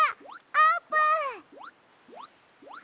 あーぷん。